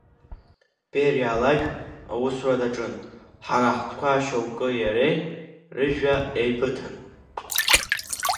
Бериа алажә, аусура даҿын, ҳара ҳтәқәа шьоукы иареи рыжәҩа еибыҭан.